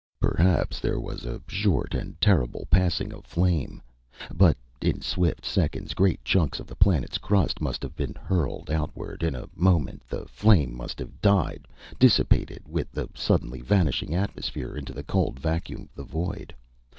Perhaps there was a short and terrible passing of flame. But in swift seconds, great chunks of the planet's crust must have been hurled outward. In a moment the flame must have died, dissipated with the suddenly vanishing atmosphere, into the cold vacuum of the void.